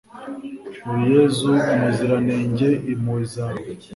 uri yezu umuziranenge, impuhwe zawe